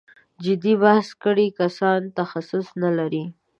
جدي بحث کړی کسان تخصص نه لري.